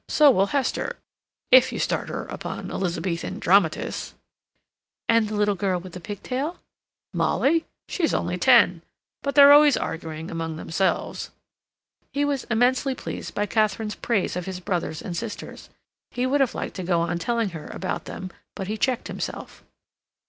"So will Hester, if you start her upon Elizabethan dramatists." "And the little girl with the pigtail?" "Molly? She's only ten. But they're always arguing among themselves." He was immensely pleased by Katharine's praise of his brothers and sisters. He would have liked to go on telling her about them, but he checked himself.